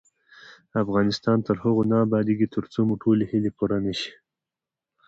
افغانستان تر هغو نه ابادیږي، ترڅو مو ټولې هیلې پوره نشي.